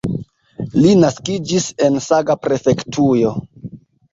Li naskiĝis en Saga-prefektujo.